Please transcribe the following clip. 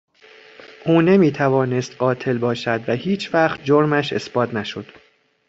او نمی توانست قاتل باشد و هیچوقت جرمش اثبات نشد